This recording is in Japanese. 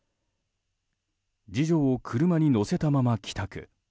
次女を車に乗せたまま帰宅。